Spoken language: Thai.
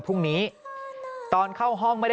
คุณยังนะคะ